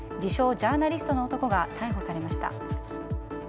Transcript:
ジャーナリストの男が逮捕されました。